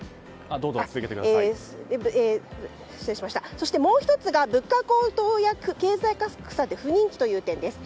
そして、もう１つが物価高騰や経済格差で不人気という点です。